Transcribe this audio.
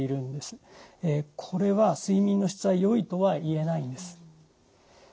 これは睡眠の質はよいとは言えないんです。